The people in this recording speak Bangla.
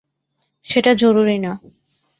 সেটা জরুরি না।